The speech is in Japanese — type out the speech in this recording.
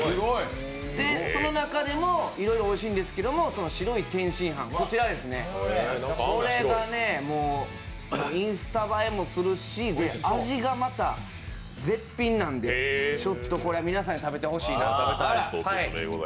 その中でもいろいろおいしいんですけれども、白い天津飯、これがもう、インスタ映えもするし味がまた、絶品なんでこれは皆さんに食べてほしいなと思います。